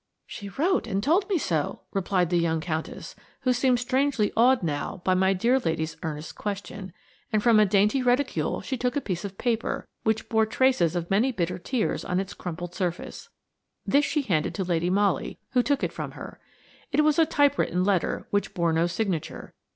"She wrote and told me so," replied the young Countess, who seemed strangely awed now by my dear lady's earnest question. And from a dainty reticule she took a piece of paper, which bore traces of many bitter tears on its crumpled surface. This she handed to Lady Molly, who took it from her. It was a type written letter, which bore no signature.